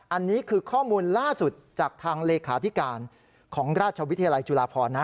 อันนี้คือข้อมูลล่าสุดจากทางเลขาธิการของราชวิทยาลัยจุฬาพรนะ